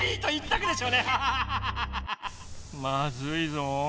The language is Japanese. まずいぞ。